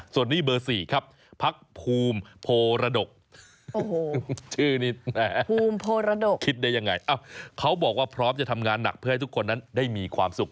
ส่วนนี้เบอร์สี่พักภูมิโภรดกเขาบอกว่าพร้อมจะทำงานหนักเพื่อให้ทุกคนนั้นได้มีความสุข